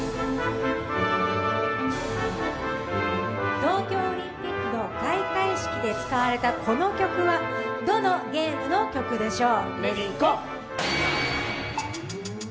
東京オリンピックの開会式で使われたこの曲はこの曲は、どのゲームの曲でしょう？